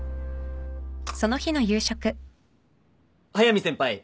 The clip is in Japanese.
速見先輩。